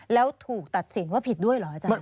แล้วถูกตัดสินว่าผิดด้วยเหรออาจารย์